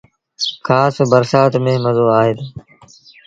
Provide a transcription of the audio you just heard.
کآس برسآت ميݩ مزو آئي دو۔